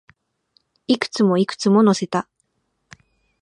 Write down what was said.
いくつも、いくつも乗せた